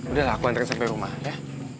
udah lah aku hantarin sampe rumah ya